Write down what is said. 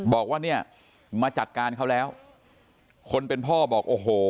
บอกว่าเนี่ยมาจัดการเขาแล้วคนเป็นพ่อบอกโอ้โห